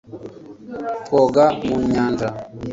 Twoga mu nyanja